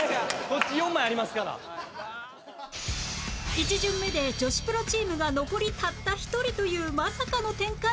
１巡目で女子プロチームが残りたった１人というまさかの展開